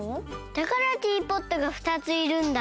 だからティーポットが２ついるんだ。